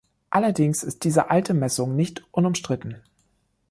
Allerdings ist diese alte Messung nicht unumstritten.